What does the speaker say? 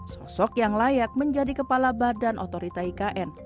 sosok yang layak menjadi kepala badan otorita ikn